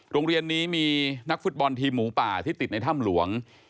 โรงเรียนนี้มีนักฟุตบอลทีมหมูป่าที่ติดในถ้ำหลวง